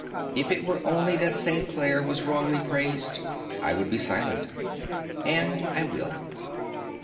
If it were only that St. Clare was wrongly praised, I would be silent. And I will."